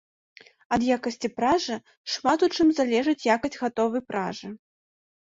Ад якасці пражы шмат у чым залежыць якасць гатовай пражы.